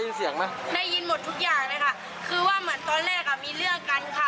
คือว่าเหมือนตอนแรกมีเรื่องกันค่ะ